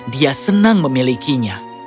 dia senang memilikinya